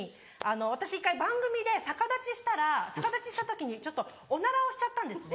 私１回番組で逆立ちしたら逆立ちした時にちょっとおならをしちゃったんですね。